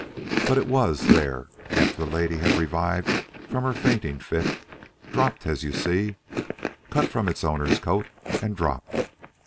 But it was there after that lady had revived from her fainting fit dropped, as you see cut from its owner's coat and dropped!